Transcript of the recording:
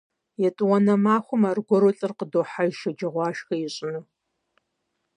Етӏуанэ махуэм аргуэру лӏыр къыдохьэж шэджагъуашхэ ищӏыну.